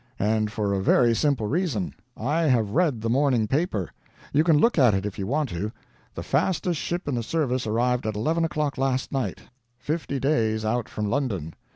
And for a very simple reason: I have read the morning paper. You can look at it if you want to. The fastest ship in the service arrived at eleven o'clock last night, fifty days out from London.